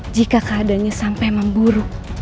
jika keadaannya sampai memburuk